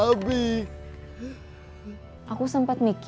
gusministernya berusaha gendut